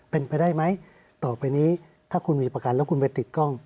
เป็นไปได้ไหมต่อไปนี้ถ้าคุณมีประกันแล้วคุณไปติดกล้อง